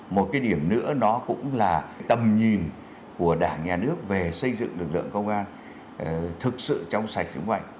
một cái điểm nữa nó cũng là tầm nhìn của đảng nhà nước về xây dựng lực lượng công an thực sự trong sạch vững mạnh